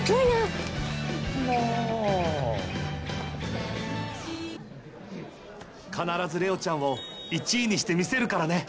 もう必ずれおちゃんを１位にしてみせるからね！